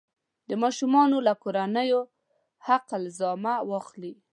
د ماشومانو له کورنیو حق الزحمه واخلي.